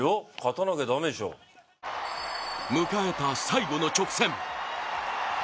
迎えた最後の直線。